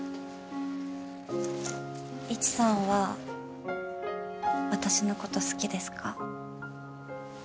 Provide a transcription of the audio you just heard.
イチさんは私のこと好きですか？